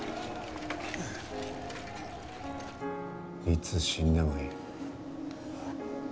いつ死んでもいい。